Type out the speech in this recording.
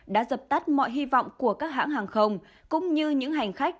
đã dập tắt mọi hy vọng của các hãng hàng không cũng như những hành khách